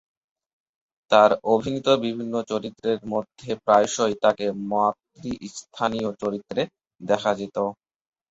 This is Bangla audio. তাঁর অভিনীত বিভিন্ন চরিত্রের মধ্যে প্রায়শই তাকে মাত্রীস্থানীয় চরিত্রে দেখা যেত।